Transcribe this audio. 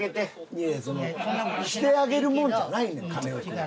いやいやそんなしてあげるもんじゃないねんカネオくん。